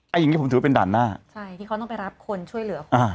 อย่างงี้ผมถือว่าเป็นด่านหน้าใช่ที่เขาต้องไปรับคนช่วยเหลือคนอ่า